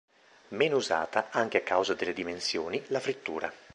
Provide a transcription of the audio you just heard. Meno usata, anche a causa delle dimensioni, la frittura.